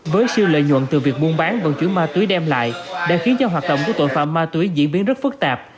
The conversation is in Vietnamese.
với siêu lợi nhuận từ việc buôn bán vận chuyển ma túy đem lại đã khiến cho hoạt động của tội phạm ma túy diễn biến rất phức tạp